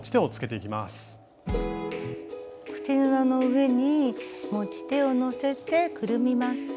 口布の上に持ち手をのせてくるみます。